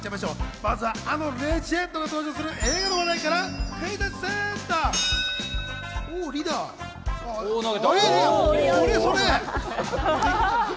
まずは、あのレジェンドが登場する、映画の話題からクイズッスと。